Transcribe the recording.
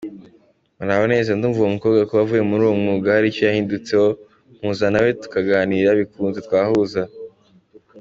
Muraho neza ndumva uwomukobwa kuba avuye muruwomwuga haricyo yahindutseho mwampuzanawe tukaganira bikunze twahuza murakoze.